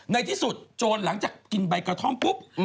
ในที่สุดโจรหลังจากกินใบกระท่อมปุ๊บ